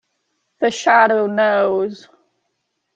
The Shadow knows!